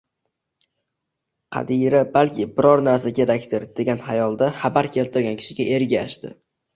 Qadira balki biror narsa kerakdir, degan xayolda xabar keltirgan kishiga ergashdi